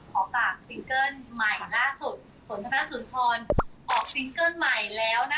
ขอฝากซิงเกิ้ลใหม่ล่าสุดฝนธนสุนทรออกซิงเกิ้ลใหม่แล้วนะคะ